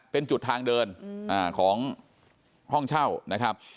เป็นจุดทางเดินของห้องเช่านะครับ